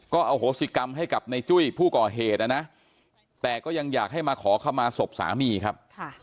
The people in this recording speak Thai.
ก็อโหสิกรรมให้กับในจุ้ยผู้ก่อเหตุนะนะแต่ก็ยังอยากให้มาขอเข้ามาศพสามีครับ